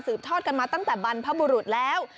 ทอดกันมาตั้งแต่บรรพบุรุษแล้ว